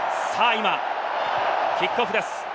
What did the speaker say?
今、キックオフです。